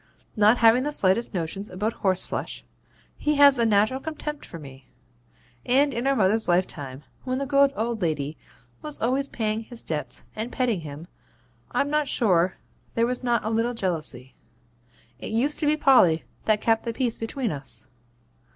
Not having the slightest notions about horseflesh, he has a natural contempt for me; and in our mother's lifetime, when the good old lady was always paying his debts and petting him, I'm not sure there was not a little jealousy. It used to be Polly that kept the peace between us.